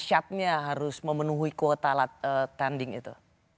dasyatnya harus memenuhi kuota tanding itu